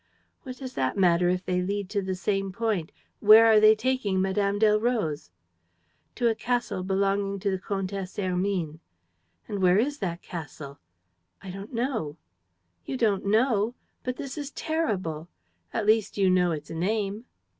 "What does that matter, if they lead to the same point. Where are they taking Mme. Delroze?" "To a castle belonging to the Comtesse Hermine." "And where is that castle?" "I don't know." "You don't know? But this is terrible! At least, you know its name.